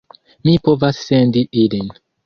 Mi povas sendi ilin.